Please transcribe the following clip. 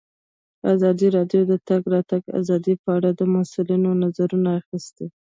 ازادي راډیو د د تګ راتګ ازادي په اړه د مسؤلینو نظرونه اخیستي.